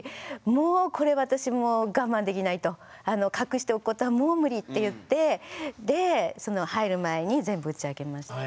もうこれ私もう我慢できないと隠しておくことはもうムリって言ってで入る前に全部打ち明けました。